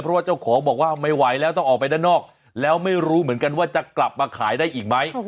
เพราะว่าเจ้าของบอกว่าไม่ไหวแล้วต้องออกไปด้านนอกแล้วไม่รู้เหมือนกันว่าจะกลับมาขายได้อีกไหม